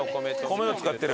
米を使ってる。